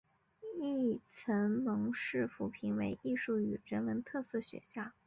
亦曾蒙市府评为艺术与人文特色学校。